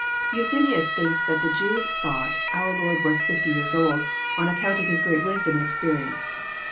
Euthymius thinks that the Jews thought our Lord was fifty years old, on account of His great wisdom and experience.